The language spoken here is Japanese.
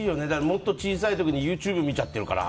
もっと小さい時にＹｏｕＴｕｂｅ見ちゃってるから。